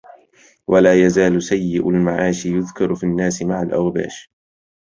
ولا يزال سيءُ المعاش يذكر في الناس مع الأوباش